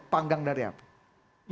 jauh panggang dari apa